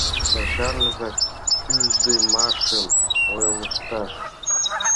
— Да чарныза кӱлдымашым ойлышташ!